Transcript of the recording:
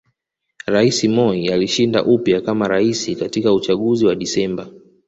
Rais Moi alishinda upya kama Rais katika uchaguzi wa Desemba